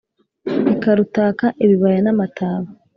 Ikarutaka ibibaya n'amataba